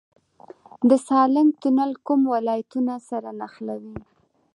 د سالنګ تونل کوم ولایتونه سره نښلوي؟